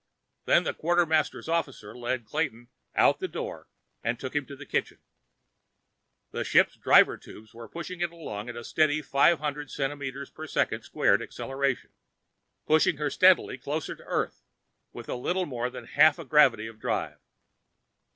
Then the quartermaster officer led Clayton out the door and took him to the kitchen. The ship's driver tubes were pushing it along at a steady five hundred centimeters per second squared acceleration, pushing her steadily closer to Earth with a little more than half a gravity of drive.